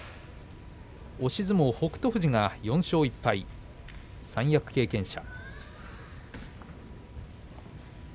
押し相撲の北勝富士は４勝１敗三役経験者。